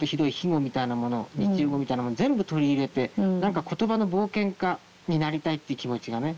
卑語みたいなものを日常語みたいなものを全部取り入れて何か言葉の冒険家になりたいって気持ちがね